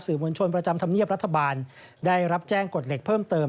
มวลชนประจำธรรมเนียบรัฐบาลได้รับแจ้งกฎเหล็กเพิ่มเติม